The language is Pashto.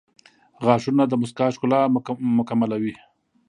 • غاښونه د مسکا ښکلا مکملوي.